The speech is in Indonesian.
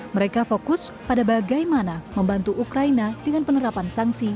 mereka fokus pada bagaimana membantu ukraina dengan penerapan sanksi